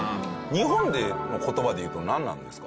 日本の言葉で言うとなんなんですか？